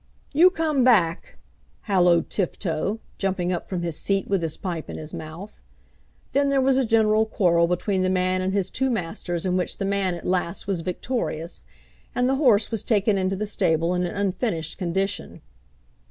"You come back," halloed Tifto, jumping up from his seat with his pipe in his mouth. Then there was a general quarrel between the man and his two masters, in which the man at last was victorious. And the horse was taken into the stable in an unfinished condition.